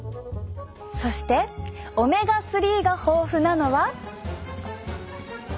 そしてオメガ３が豊富なのは。